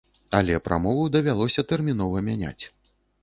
Але прамову давялося тэрмінова мяняць.